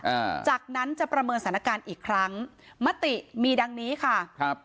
อ่าจากนั้นจะประเมินสถานการณ์อีกครั้งมติมีดังนี้ค่ะครับ